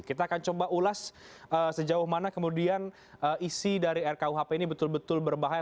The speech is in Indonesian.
kita akan coba ulas sejauh mana kemudian isi dari rkuhp ini betul betul berbahaya